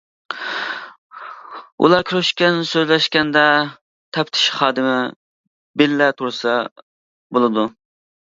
ئۇلار كۆرۈشكەن، سۆزلەشكەندە تەپتىش خادىمى بىللە تۇرسا بولىدۇ.